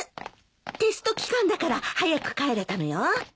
テスト期間だから早く帰れたのよ。